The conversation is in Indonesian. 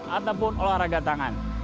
ataupun olahraga tangan